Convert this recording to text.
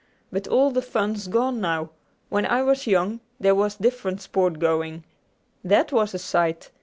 But all the fun's gone now. When I was young, there was different sport going. That was a sight!